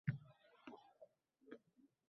“Ish ko‘p. Vaqt kam”, deb bahona qidirmang.